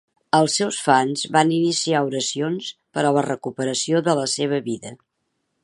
Els seus fans van iniciar oracions per a la recuperació de la seva vida.